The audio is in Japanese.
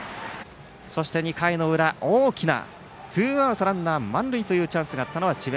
２回の裏、大きなツーアウト、ランナー満塁というチャンスがあったのは智弁